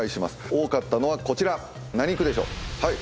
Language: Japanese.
多かったのはこちら何区でしょう。